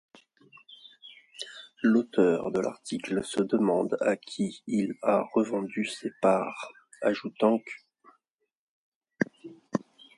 L'auteur de l'article se demande à qui il a revendu ses parts, ajoutant qu'.